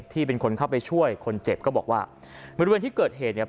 ที่เป็นคนเข้าไปช่วยคนเจ็บก็บอกว่าบริเวณที่เกิดเหตุเนี่ย